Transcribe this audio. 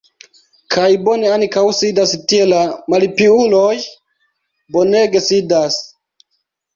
Kaj bone ankaŭ sidas tie la malpiuloj, bonege sidas!